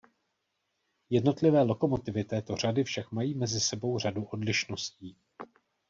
Jednotlivé lokomotivy této řady však mají mezi sebou řadu odlišností.